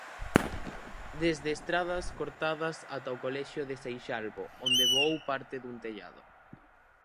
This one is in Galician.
Desde estradas cortadas ata o colexio de Seixalbo, onde voou parte dun tellado.